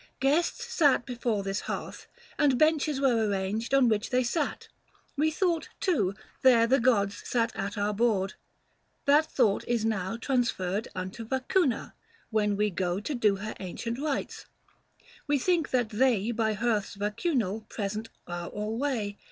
Guests sat before this hearth, and benches were Arranged on which they sat ; we thought, too, there The gods sat at our board : that thought is now 365 Transferred unto Vacuna ; when we go To do her ancient rites, we think that they By hearths vacunal present are alway.